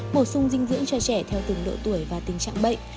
bổ sung dinh dưỡng cho trẻ theo từng độ tuổi và tình trạng bệnh